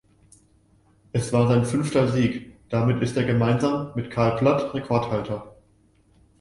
Es war sein fünfter Sieg, damit ist er gemeinsam mit Karl Platt Rekordhalter.